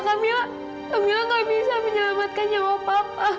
kamila gak bisa menyelamatkan nyawa papa